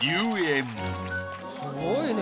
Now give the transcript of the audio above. すごいね。